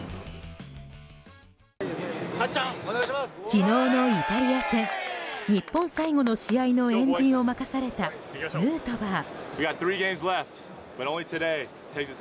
昨日のイタリア戦日本最後の試合の円陣を任されたヌートバー。